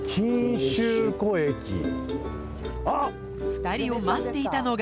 ２人を待っていたのが。